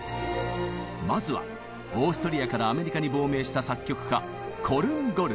まずはオーストリアからアメリカに亡命した作曲家コルンゴルト。